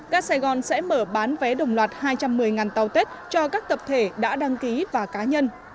ga sài gòn sẽ mở bán vé đồng loạt hai trăm một mươi tàu tết cho các tập thể đã đăng ký và cá nhân